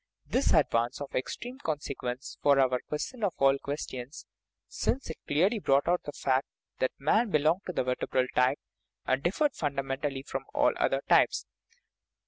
This advance was of extreme consequence for our " question of all ques tions," since it clearly brought out the fact that man belonged to the vertebral type, and differed fundamen tally from all the other types.